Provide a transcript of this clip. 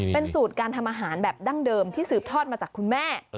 เป็นสูตรการทำอาหารแบบดั้งเดิมที่สืบทอดมาจากคุณแม่